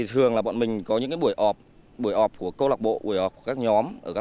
thường là bọn mình có những buổi ọp của câu lạc bộ buổi ọp của các nhóm